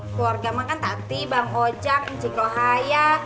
keluarga emak kan tati bang ojak encik lohaya